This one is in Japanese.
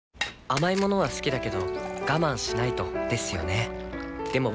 甘い物は好きだけど我慢しないとですよね